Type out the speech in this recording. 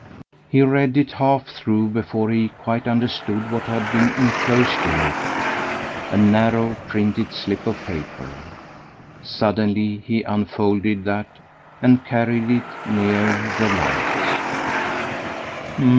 He read it half through before he quite understood what had been inclosed in it a narrow printed slip of paper. Suddenly he unfolded that and carried it nearer the light.